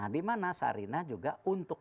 di mana sarina juga untuk